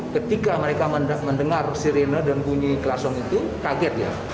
ketika mereka mendengar sirine dan bunyi klasong itu kaget ya